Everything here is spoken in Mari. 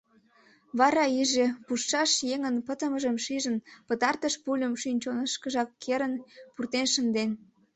Вара иже, пуштшаш еҥын пытымыжым шижын, пытартыш пульым шӱм-чонышкыжак керын пуртен шынден...